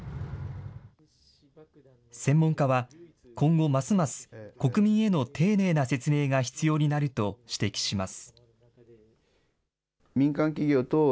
専門家は、今後ますます国民への丁寧な説明が必要になると指摘します。